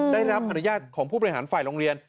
ได้รับอนุญาตของผู้บริหารฝ่ายโรงเรียน